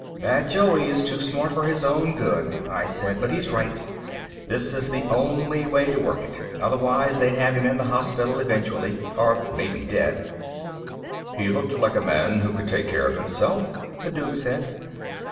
"That Joey is too smart for his own good," I said, "but he's right. This is the only way to work it. Otherwise, they'd have him in the hospital eventually or maybe dead." "He looked like a man who could take care of himself," the Duke said.